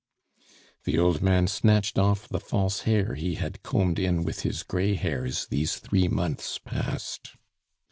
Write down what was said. The old man snatched off the false hair he had combed in with his gray hairs these three months past.